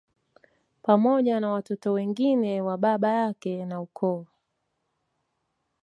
Pamoja na watoto wengine wa baba yake na ukoo